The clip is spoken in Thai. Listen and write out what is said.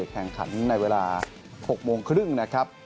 แข่งขันในเวลา๖โมงครึ่งนะครับ